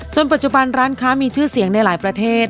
ปัจจุบันร้านค้ามีชื่อเสียงในหลายประเทศ